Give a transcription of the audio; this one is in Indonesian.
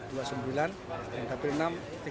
terkait dengan kekurangan ini